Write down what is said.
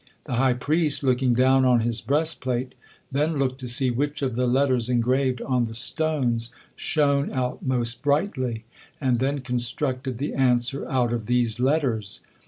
The high priest, looking down on his breastplate, then looked to see which of the letters engraved on the stones shone out most brightly, and then constructed the answer out of these letters.